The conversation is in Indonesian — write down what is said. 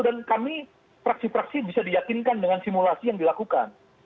dan kami praksi praksi bisa diyakinkan dengan simulasi yang dilakukan